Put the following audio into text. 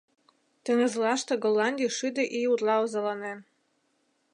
Теҥызлаште Голландий шӱдӧ ий утла озаланен